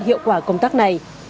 hiệu quả công tác này